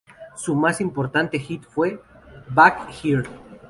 Su más importante hit fue "Back Here".